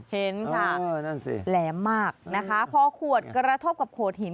เห็นค่ะนั่นสิแหลมมากนะคะพอขวดกระทบกับโขดหิน